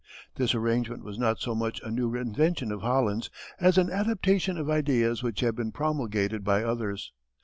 This arrangement was not so much a new invention of Holland's as an adaptation of ideas which had been promulgated by others.